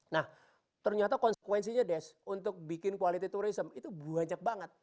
nah ternyata konsekuensinya des untuk bikin quality tourism itu banyak banget